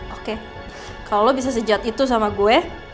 oke kalau bisa sejud itu sama gue